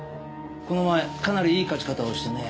この前かなりいい勝ち方をしてね。